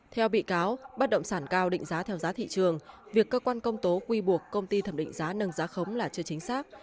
theo bị cáo bất động sản cao định giá theo giá thị trường việc cơ quan công tố quy buộc công ty thẩm định giá nâng giá khống là chưa chính xác